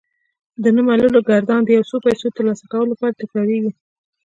د نه منلو ګردان د يو څو پيسو ترلاسه کولو لپاره تکرارېږي.